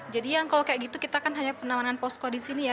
jadi kalau kayak gitu kita kan hanya penamanan posko disini ya